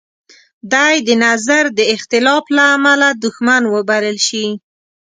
دی د نظر د اختلاف لامله دوښمن وبلل شي.